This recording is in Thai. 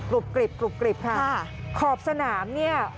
กริบกรุบกริบค่ะขอบสนามเนี่ย